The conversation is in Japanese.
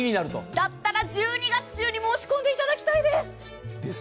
だったら１２月中に申し込んでいただきたいです。